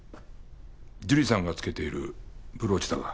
樹里さんがつけているブローチだが。